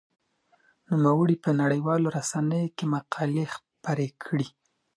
نوموړي په نړيوالو رسنيو کې مقالې خپرې کړې.